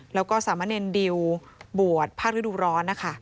แล้วก็สามะเนรดิวบวชภาคฤดูร้อนนะคะ